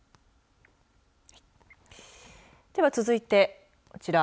では続いてこちら。